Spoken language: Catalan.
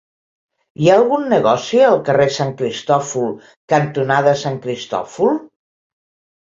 Hi ha algun negoci al carrer Sant Cristòfol cantonada Sant Cristòfol?